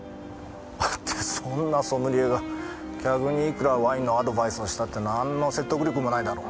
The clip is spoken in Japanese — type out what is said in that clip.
だってそんなソムリエが客にいくらワインのアドバイスをしたって何の説得力もないだろ。